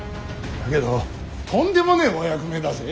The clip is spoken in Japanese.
だけどとんでもねえお役目だぜ。